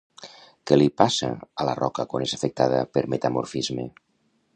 Què li passa a la roca quan és afectada per metamorfisme?